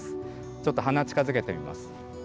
ちょっと鼻を近づけてみます。